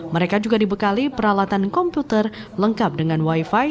mereka juga dibekali peralatan komputer lengkap dengan wifi